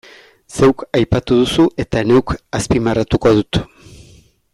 Zeuk aipatu duzu eta neuk azpimarratuko dut.